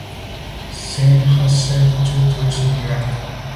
Syme has served two tours in Iraq.